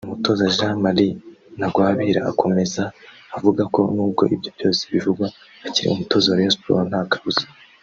Umutoza Jean Marie Ntagwabira akomeza avugako n’ubwo ibyo byose bivugwa akiri Umutoza wa Rayon Sport nta kabuza